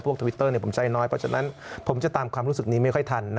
ทวิตเตอร์ผมใจน้อยเพราะฉะนั้นผมจะตามความรู้สึกนี้ไม่ค่อยทัน